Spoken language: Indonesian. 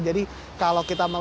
jadi kalau kita melihat